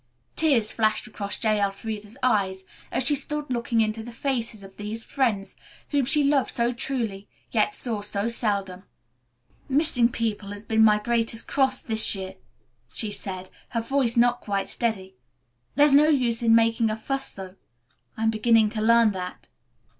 Tears flashed across J. Elfreda's eyes as she stood looking into the faces of these friends, whom she loved so truly, yet saw so seldom. "Missing people has been my greatest cross this year," she said, her voice not quite steady. "There's no use in making a fuss, though. I'm beginning to learn that."